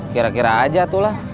kira kira aja itulah